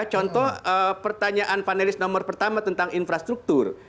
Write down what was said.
contoh pertanyaan panelis nomor pertama tentang infrastruktur